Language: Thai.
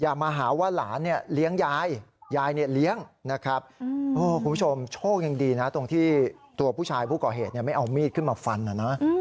มาหาว่าหลานเนี่ยเลี้ยงยายยายเนี่ยเลี้ยงนะครับคุณผู้ชมโชคยังดีนะตรงที่ตัวผู้ชายผู้ก่อเหตุไม่เอามีดขึ้นมาฟันนะนะ